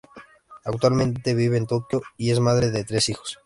Actualmente vive en Tokio y es madre de tres hijos.